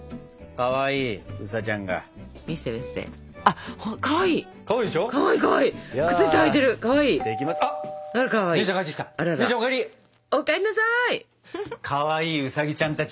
かわいいウサギちゃんたち